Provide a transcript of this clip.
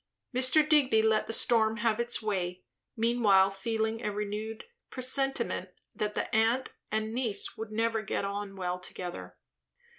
Mr. Digby let the storm have its way, meanwhile feeling a renewed presentiment that the aunt and niece would never get on well together.